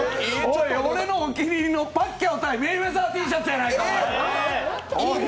俺のお気に入りのパッキャオ対メイウェザーＴシャツやないか！